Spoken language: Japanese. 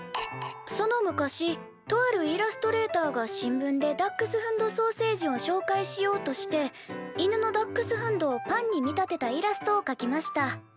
「その昔とあるイラストレーターが新聞でダックスフンド・ソーセージをしょうかいしようとして犬のダックスフンドをパンに見立てたイラストをかきました。